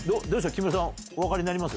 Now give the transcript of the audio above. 木村さんお分かりになります？